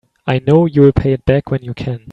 I know you'll pay it back when you can.